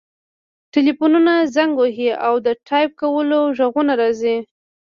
ټیلیفونونه زنګ وهي او د ټایپ کولو غږونه راځي